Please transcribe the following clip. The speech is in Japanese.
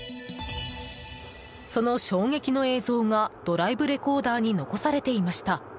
その衝撃の映像がドライブレコーダーに残されていました。